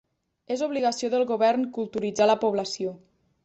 És obligació del govern culturitzar la població.